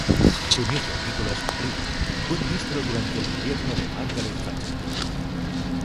Su nieto Nicholas Ridley fue ministro durante el gobierno de Margaret Thatcher.